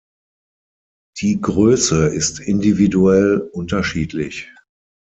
Die Größe ist individuell unterschiedlich.